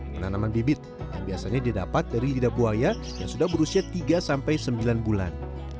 penanaman bibit yang biasanya didapat dari lidah buaya yang sudah berusia tiga sampai sembilan bulan